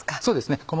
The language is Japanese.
そうですね